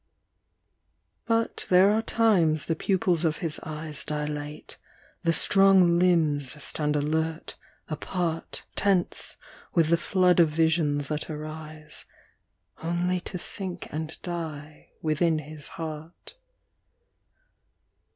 But there are times the pupils of his eyes Dilate, the strong limbs stand alert, apart, Tense with the flood of visions that arise Only to sink and die within his heart.